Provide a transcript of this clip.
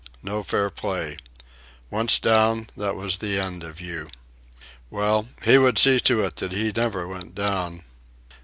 No fair play. Once down, that was the end of you. Well, he would see to it that he never went down.